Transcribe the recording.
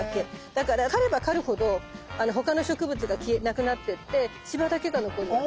だから刈れば刈るほど他の植物がなくなってってシバだけが残るわけ。